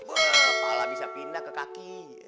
bola kepala bisa pindah ke kaki